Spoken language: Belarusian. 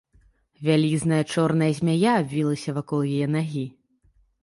Вялізная чорная змяя абвілася вакол яе нагі.